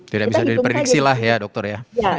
tidak bisa diprediksi lah ya dokter ya